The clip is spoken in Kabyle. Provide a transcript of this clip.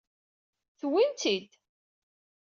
Tewwim-t-id!